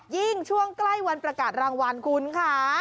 ยิ่งช่วงใกล้วันประกาศรางวัลคุณค่ะ